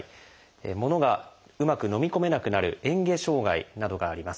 物がうまくのみ込めなくなる「嚥下障害」などがあります。